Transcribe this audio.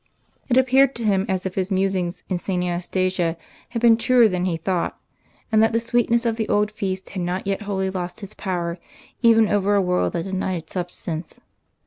It appeared to him as if his musings in St. Anastasia had been truer than he thought, and that the sweetness of the old feast had not yet wholly lost its power even over a world that denied its substance.